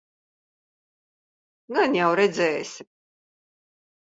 Gan jau redzēsi?